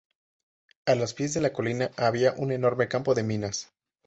A los pies de la colina había un enorme campo de minas.